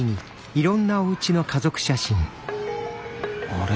あれ？